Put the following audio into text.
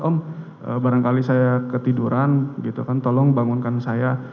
om barangkali saya ketiduran tolong bangunkan saya